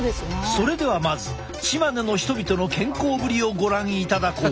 それではまずチマネの人々の健康ぶりをご覧いただこう！